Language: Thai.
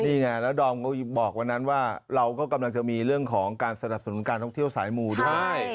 นี่ไงแล้วดอมก็บอกวันนั้นว่าเราก็กำลังจะมีเรื่องของการสนับสนุนการท่องเที่ยวสายหมู่ด้วย